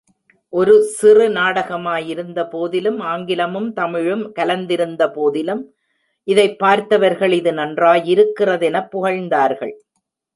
ஒரு சிறு நாடகமாயிருந்தபோதிலும், ஆங்கிலமும் தமிழும் கலந்திருந்தபோதிலும், இதைப் பார்த்தவர்கள் இது நன்றாயிருக்கிறதெனப் புகழ்ந்தார்கள்.